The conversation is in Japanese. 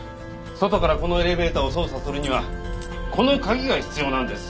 外からこのエレベーターを操作するにはこの鍵が必要なんです。